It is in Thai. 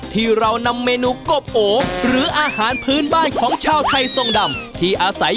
ที่เรานำเมนูกบโอหรืออาหารพื้นบ้านของชาวไทยทรงดำที่อาศัย